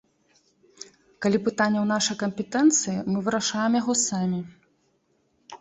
Калі пытанне ў нашай кампетэнцыі, мы вырашаем яго самі.